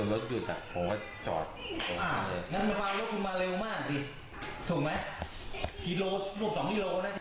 อน้ำแตกรึเปล่า